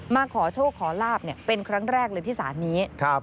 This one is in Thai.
มาขอโชคขอลาบเป็นครั้งแรกเลยที่ศาลนี้